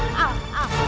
siapkan kamar untukku